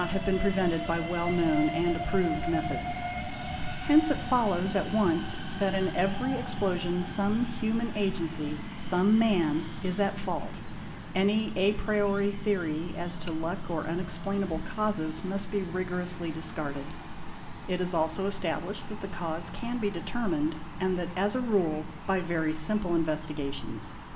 have been prevented by well known and approved methods'. Hence it follows at once that in every explosion some human agency, some man, is at fault; any a priori theory as to luck or unexplainable causes must be rigorously discarded ; it is also established that the cause can be determined, and that as a rule by very simple investigations.